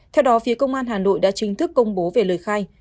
theo đó phía công an hà nội đã chính thức công bố về lời khai